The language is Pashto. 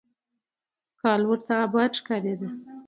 کال ورته آباد ښکارېده.